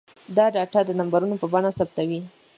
دا ډاټا د نمبرونو په بڼه ثبتوي.